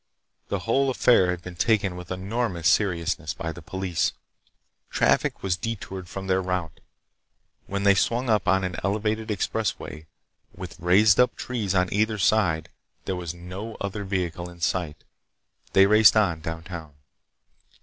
The whole affair had been taken with enormous seriousness by the police. Traffic was detoured from their route. When they swung up on an elevated expressway, with raised up trees on either side, there was no other vehicle in sight. They raced on downtown.